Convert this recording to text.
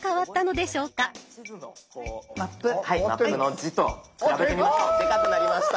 でかくなりました。